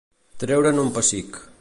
Treure'n un pessic.